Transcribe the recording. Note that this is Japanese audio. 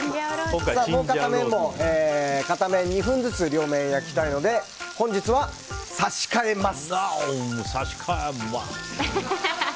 もう片面も片面、２分ずつ両面焼きたいので差し替えます。